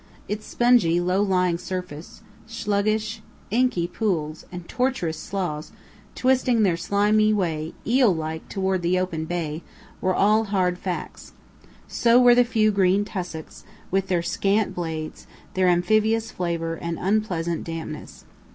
Its spongy, low lying surface, sluggish, inky pools, and tortuous sloughs, twisting their slimy way, eel like, toward the open bay, were all hard facts. So were the few green tussocks, with their scant blades, their amphibious flavor and unpleasant dampness.